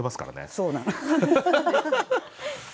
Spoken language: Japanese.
そうなの。